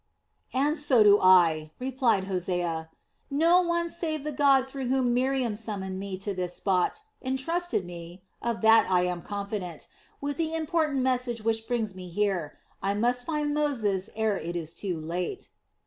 "And so do I," replied Hosea. "No one save the God through whom Miriam summoned me to this spot, entrusted me of that I am confident with the important message which brings me here. I must find Moses ere it is too late."